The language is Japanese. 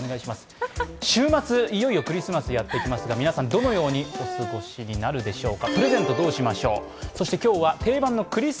週末、いよいよクリスマスがやってきますが皆さん、どのようにお過ごしになるでしょうか。